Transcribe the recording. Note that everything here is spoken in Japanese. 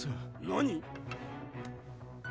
何！？